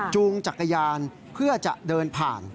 จูงจักรยานเพื่อจะเดินผ่าน